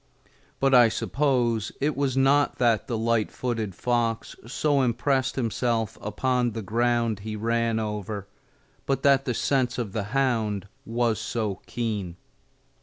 But I suppose it was not that the light footed fox so impressed himself upon the ground he ran over, but that the sense of the hound was so keen.